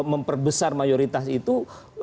memperbesar mayoritas itu